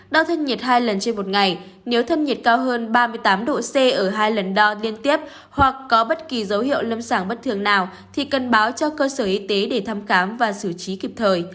đo thân nhiệt hai lần trên một ngày nếu thâm nhiệt cao hơn ba mươi tám độ c ở hai lần đo liên tiếp hoặc có bất kỳ dấu hiệu lâm sàng bất thường nào thì cần báo cho cơ sở y tế để thăm khám và xử trí kịp thời